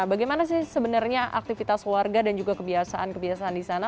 bagaimana sih sebenarnya aktivitas warga dan juga kebiasaan kebiasaan di sana